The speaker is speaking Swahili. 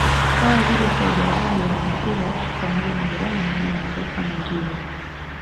Kama vile Saudi Arabia na Iraq pamoja na Irani na mataifa mengine